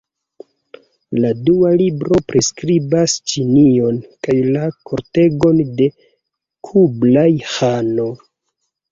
La dua libro priskribas Ĉinion kaj la kortegon de Kublaj-Ĥano.